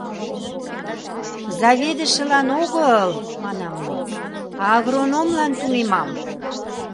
— Заведышылан огыл, — манам мый, — а агрономлан тунемам.